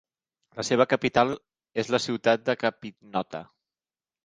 La seva capital és la ciutat de Capinota.